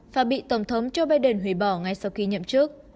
và bị tổng thống joe biden hủy bỏ ngay sau khi nhậm chức